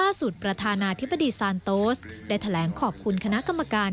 ประธานาธิบดีซานโตสได้แถลงขอบคุณคณะกรรมการ